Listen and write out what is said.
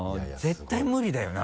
絶対無理だよな